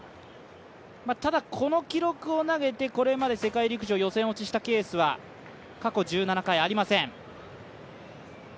ただこの記録を投げてこれまで世界陸上予選落ちをしたケースは過去１７回ありません。